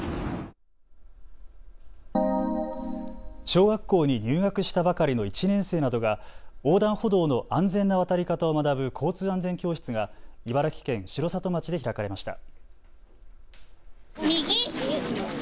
小学校に入学したばかりの１年生などが横断歩道の安全な渡り方を学ぶ交通安全教室が茨城県城里町で開かれました。